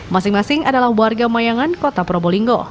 masing masing adalah warga mayangan kota probolinggo